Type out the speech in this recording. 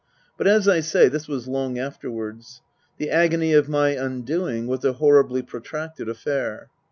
But, as I say, this was long afterwards. The agony of my undoing was a horribly protracted affair.